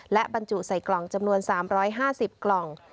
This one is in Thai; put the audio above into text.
และบรรจุใส่กล่องจำนวน๓๕๐กล่อง